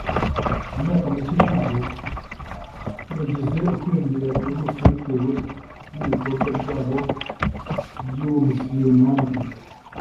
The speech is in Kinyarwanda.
mu myaka mike ishize, bagize ukwiyongera kwihuse bitewe n’ibikorwa byabo by’ubumisiyonari.